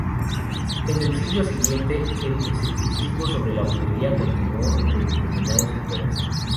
En el siglo siguiente el escepticismo sobre la brujería continuó entre determinados sectores.